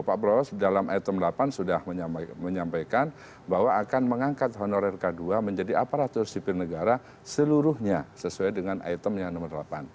pak prabowo dalam item delapan sudah menyampaikan bahwa akan mengangkat honorer k dua menjadi aparatur sipil negara seluruhnya sesuai dengan item yang nomor delapan